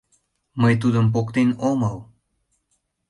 Мый тудым поктен омыл.